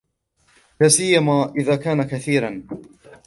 لَا سِيَّمَا إذَا كَانَ كَثِيرًا